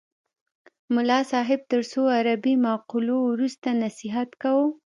ملا صاحب تر څو عربي مقولو وروسته نصیحت کاوه.